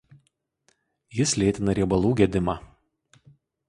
Jis lėtina riebalų gedimą.